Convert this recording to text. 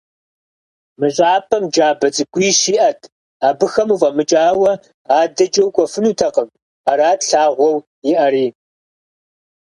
Мы щӀыпӀэм джабэ цӀыкӀуищ иӀэт, абыхэм уфӀэмыкӀауэ адэкӀэ укӀуэфынутэкъым, арат лъагъуэу иӀэри.